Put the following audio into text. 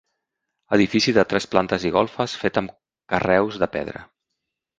Edifici de tres plantes i golfes fet amb carreus de pedra.